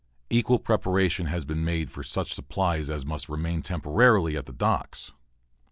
Equal preparation has been made for such supplies as must remain temporarily at the docks.